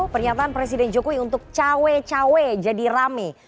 pernyataan presiden jokowi untuk cawe cawe jadi rame